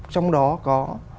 trong đó có